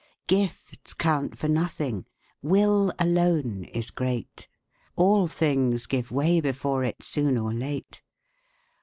Gifts count for nothing; will alone is great; All things give way before it soon or late.